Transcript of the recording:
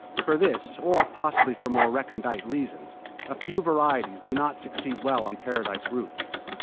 For this, or possibly for more recondite reasons, a few varieties do not succeed well on Paradise roots.